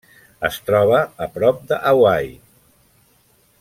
Es troba a prop de Hawaii.